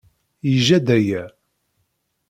Yejja-d aya.